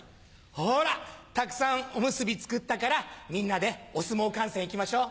ほらたくさんおむすび作ったからみんなでお相撲観戦行きましょう。